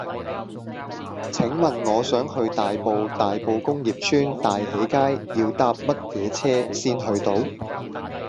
請問我想去大埔大埔工業邨大喜街要搭乜嘢車先去到